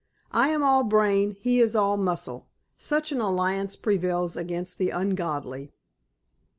"I am all brain; he is all muscle. Such an alliance prevails against the ungodly."